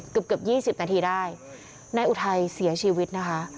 เกือบเกือบ๒๐นาทีได้นายอุทัยเสียชีวิตนะคะ